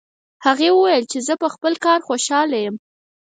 هغې وویل چې زه په خپل کار خوشحاله یم